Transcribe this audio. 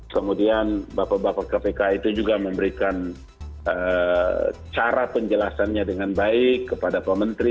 kemudian bapak bapak kpk itu juga memberikan cara penjelasannya dengan baik kepada pak menteri